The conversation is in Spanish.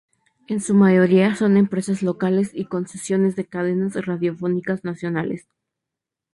En su mayoría son empresas locales y concesiones de cadenas radiofónicas nacionales.